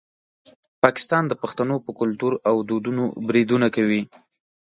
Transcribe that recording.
پاکستان د پښتنو په کلتور او دودونو بریدونه کوي.